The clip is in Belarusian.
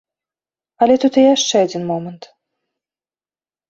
Але тут і яшчэ адзін момант.